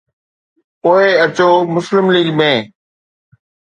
پوءِ اچو مسلم ليگ ۾.